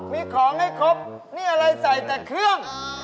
มีของให้ครบนี่อะไรใส่แต่เครื่อง